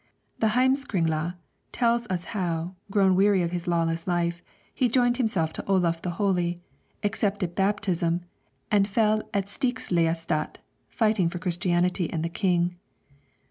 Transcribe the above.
The 'Heimskringla' tells us how, grown weary of his lawless life, he joined himself to Olaf the Holy, accepted baptism, and fell at Stiklestad righting for Christianity and the King.